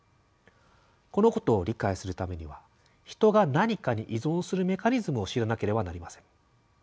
このことを理解するためには人が何かに依存するメカニズムを知らなければなりません。